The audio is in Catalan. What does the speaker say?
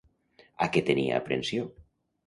A què tenia aprensió?